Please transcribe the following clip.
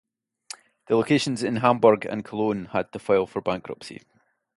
The locations in Hamburg and Cologne had to file for bankruptcy.